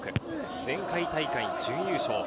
前回大会準優勝。